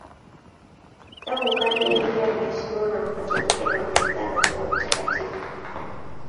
Tangu kale yeye pia anaheshimiwa na Wakatoliki na Waanglikana kama mtakatifu.